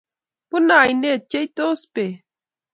Bunei oinet, cheitos bek